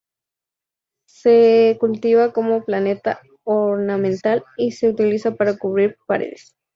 Se cultiva como planta ornamental y se utiliza para cubrir paredes.